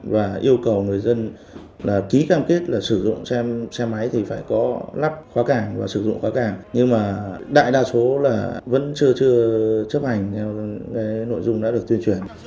và yêu cầu người dân